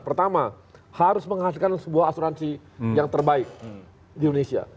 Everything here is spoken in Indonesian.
pertama harus menghasilkan sebuah asuransi yang terbaik di indonesia